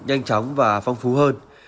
nhanh chóng và phong phú hơn